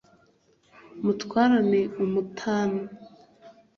mutwarane umutana